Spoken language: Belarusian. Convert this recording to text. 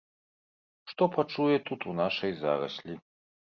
Што пачуе тут у нашай зараслі.